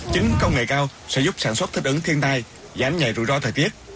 chính công nghệ cao sẽ giúp sản xuất thích ứng thiên tai giãn nhảy rủi ro thời tiết